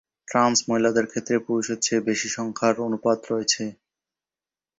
Trans মহিলাদের ক্ষেত্রে পুরুষদের চেয়ে বেশি সংখ্যার অনুপাত রয়েছে।